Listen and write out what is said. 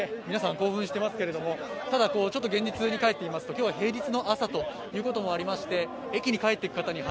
興奮してますけれどもただ、現実にかえってみますと今日は平日の朝ということもありまして、駅に帰っていく方に話